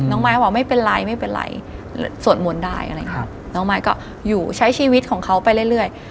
น้องมายก็บอกไม่เป็นไรส่วนมนต์ได้น้องมายก็ใช้ชีวิตของเขาไปเรื่อย